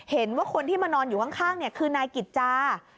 เห็นว่าคนที่มานอนอยู่ข้างคือนายกิจจา